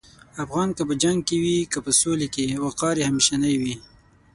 افغان که په جنګ کې وي که په سولې کې، وقار یې همیشنی وي.